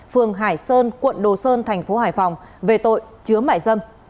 phường hải sơn quận đồ sơn thành phố hải phòng về tội chứa mại dâm